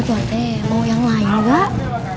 mau yang lain gak